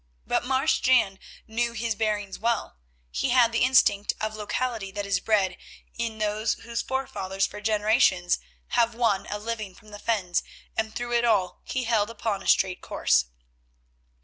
But Marsh Jan knew his bearings well; he had the instinct of locality that is bred in those whose forefathers for generations have won a living from the fens, and through it all he held upon a straight course.